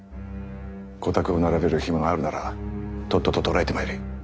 御託を並べる暇があるならとっとと捕らえてまいれ。